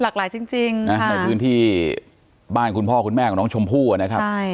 จริงนะในพื้นที่บ้านคุณพ่อคุณแม่ของน้องชมพู่นะครับ